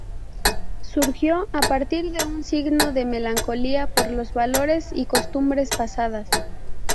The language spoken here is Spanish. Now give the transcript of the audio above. Surgió a partir de un signo de melancolía por los valores y costumbres pasadas.